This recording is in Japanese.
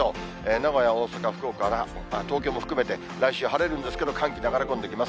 名古屋、大阪、福岡、東京も含めて、来週晴れるんですけれども、寒気流れ込んできます。